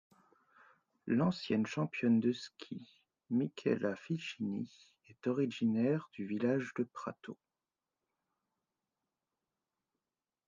L'ancienne championne de ski Michela Figini est originaire du village de Prato.